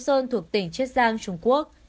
chusong thuộc tỉnh chết giang trung quốc